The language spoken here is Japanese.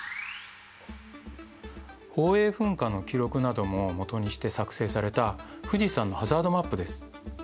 宝永噴火の記録などももとにして作成された富士山のハザードマップです。